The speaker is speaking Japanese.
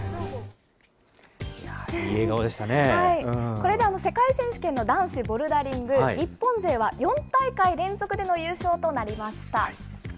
これで世界選手権の男子ボルダリング、日本勢は４大会連続での優勝となりました。